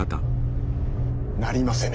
なりませぬ。